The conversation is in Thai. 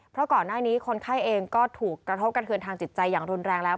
เพราะก่อนหน้านี้คนไข้เองก็ถูกกระทบกระเทือนทางจิตใจอย่างรุนแรงแล้ว